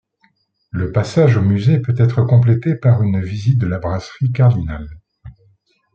Le passage au musée peut être complété par une visite de la brasserie Cardinal.